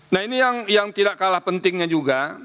nah ini yang tidak kalah pentingnya juga